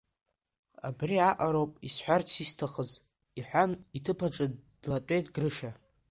Абри аҟароуп исҳәарц исҭахыз, — иҳәан, иҭыԥаҿы длатәеит Грышьа.